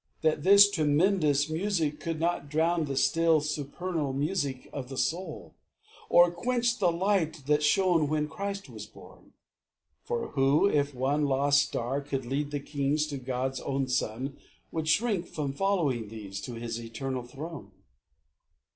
That this tremendous music could not drown The still supernal music of the soul, Or quench the light that shone when Christ was born. For who, if one lost star could lead the kings To God's own Son, would shrink from following these To His eternal throne?